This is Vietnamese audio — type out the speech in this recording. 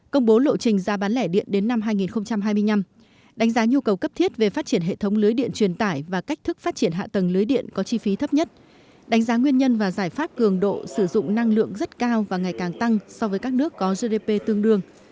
công bố lộ trình ra bán lẻ điện đến năm hai nghìn hai mươi năm đánh giá nhu cầu cấp thiết về phát triển hệ thống lưới điện truyền tải và cách thức phát triển hạ tầng lưới điện có chi phí thấp nhất đánh giá nguyên nhân và giải pháp cường độ sử dụng năng lượng rất cao và ngày càng tăng so với các nước có gdp tương đương